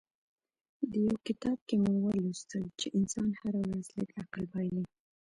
يو کتاب کې مې ولوستل چې انسان هره ورځ لږ عقل بايلي.